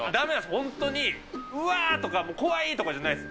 本当に、うわーとか怖いーとかじゃないです。